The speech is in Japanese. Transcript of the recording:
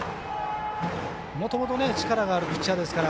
もともと力があるピッチャーですから。